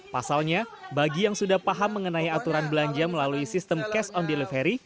pasalnya bagi yang sudah paham mengenai aturan belanja melalui sistem cash on delivery